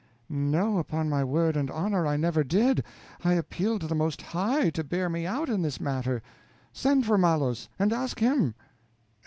No, upon my word and honor, I never did; I appeal to the Most High to bear me out in this matter. Send for Malos, and ask him.